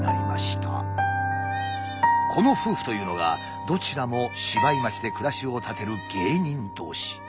この夫婦というのがどちらも芝居町で暮らしを立てる芸人同士。